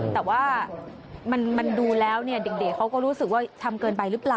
แต่ว่ามันดูแล้วเด็กเขาก็รู้สึกว่าทำเกินไปหรือเปล่า